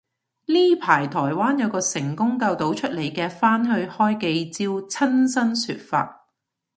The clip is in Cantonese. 呢排台灣有個成功救到出嚟嘅返去開記招親身說法